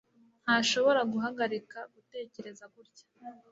Ntashobora guhagarika gutekereza gutya